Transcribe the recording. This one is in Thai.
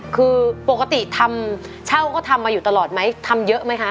คือปกติทำเช่าก็ทำมาอยู่ตลอดไหมทำเยอะไหมคะ